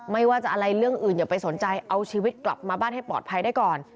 ไม่ว่าจะอะไรเรื่องอื่นอย่าไปสนใจเอาชีวิตกลับมาบ้านให้ปลอดภัยได้ก่อน